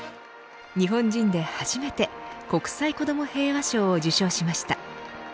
日本人で初めて国際子ども平和賞を受賞しました。